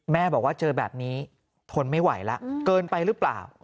แม่บอกว่าเจอแบบนี้ทนไม่ไหวแล้วเกินไปหรือเปล่า